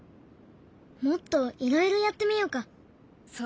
もっといろいろやってみようか。